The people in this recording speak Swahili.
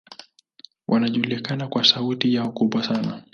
Wanajulikana kwa sauti yao kubwa sana.